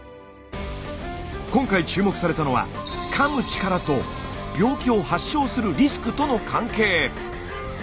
今回注目されたのはかむ力と病気を発症するリスクとの関係。